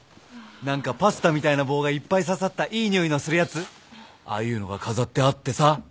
何かパスタみたいな棒がいっぱいささったいい匂いのするやつああいうのが飾ってあってさ